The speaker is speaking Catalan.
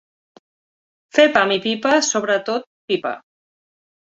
Fer pam i pipa, sobretot pipa.